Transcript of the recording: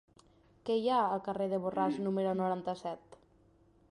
Què hi ha al carrer de Borràs número noranta-set?